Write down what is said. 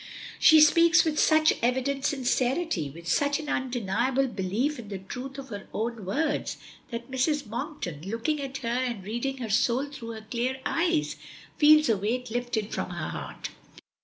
She speaks with such evident sincerity, with such an undeniable belief in the truth of her own words, that Mrs. Monkton, looking at her and reading her soul through her clear eyes, feels a weight lifted from her heart.